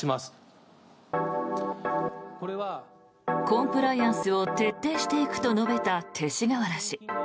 コンプライアンスを徹底していくと述べた勅使河原氏。